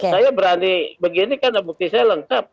saya berani begini karena bukti saya lengkap